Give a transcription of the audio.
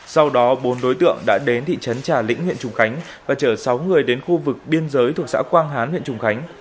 sau đó bốn đối tượng đã đến thị trấn trà lĩnh huyện trùng khánh và chở sáu người đến khu vực biên giới thuộc xã quang hán huyện trùng khánh